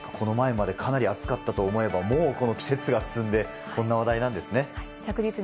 この前までかなり暑かったと思えばもうこの季節が進んで、こんな話題なんですね。